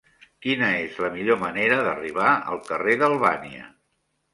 Quina és la millor manera d'arribar al carrer d'Albània?